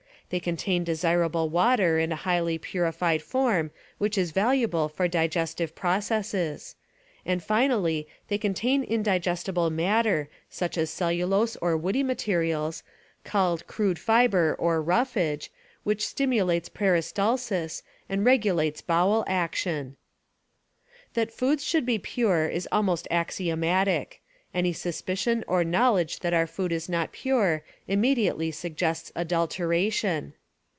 They contain con siderable water in a highly purified form which is valuable for digestive processes; and finally, they contain indigestible matter, such as cellulose or woody materials, called "crude fiber" or "roughage," which stimulates peristalsis and regulates bowel action. That foods should be pure is almost axiomatic. Any suspicion or knowledge that our food is not pure immediately suggests adulteration.